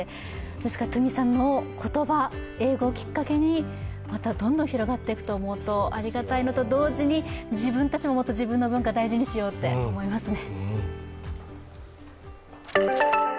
ですからトゥミさんの言葉、英語をきっかけにまたどんどん広がっていくと思うと、ありがたいのと同時に、自分たちももっと自分の文化を大事にしようって思いますね。